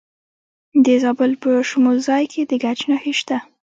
د زابل په شمولزای کې د ګچ نښې شته.